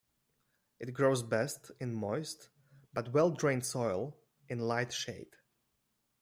It grows best in moist but well-drained soil in light shade.